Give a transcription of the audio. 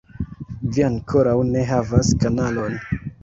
Vi ankoraŭ ne havas kanalon